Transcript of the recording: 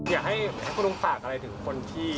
อยากให้คุณลุงฝากอะไรถึงคนที่